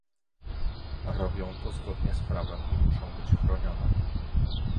Robią to zgodnie z prawem i muszą być chronione